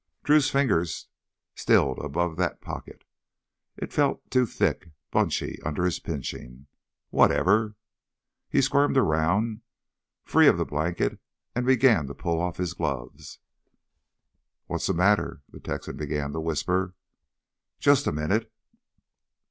Drew's fingers stilled above that pocket. It felt too thick, bunchy under his pinching. Whatever—? He squirmed around, free of the blanket, and began to pull off his gloves. "What's th' matter?" the Texan began in a whisper. "Just a minute!"